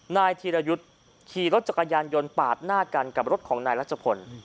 นายธีรยุทธ์ขี่รถจักรยานยนต์ปาดหน้ากันกับรถของนายรัชพล